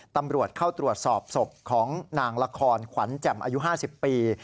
ตำรวจเข้าตรวจสอบศพของนางละครขวัญแจ่มอายุ๕๐ปี